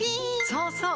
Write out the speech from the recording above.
そうそう！